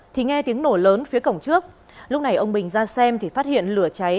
thì nghe tiếng nổ lớn phía cổng trước lúc này ông bình ra xem thì phát hiện lửa cháy